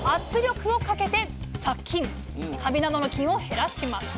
カビなどの菌を減らします。